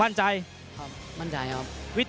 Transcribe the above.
มั่นใจครับมั่นใจครับ